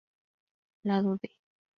Lado D